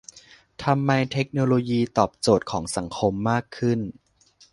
ทำให้เทคโนโลยีตอบโจทย์ของสังคมมากขึ้น